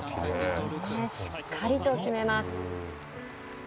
しっかりと決めます。